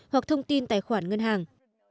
hoặc thông tin tài khoản ngân hàng